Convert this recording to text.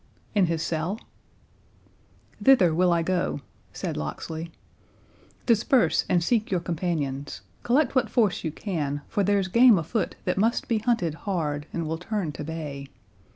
"In his cell." "Thither will I go," said Locksley. "Disperse and seek your companions. Collect what force you can, for there's game afoot that must be hunted hard, and will turn to bay.